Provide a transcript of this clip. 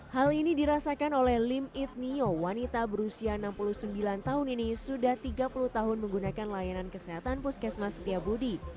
hal ini dirasakan oleh lim itnio wanita berusia enam puluh sembilan tahun ini sudah tiga puluh tahun menggunakan layanan kesehatan puskesmas setiabudi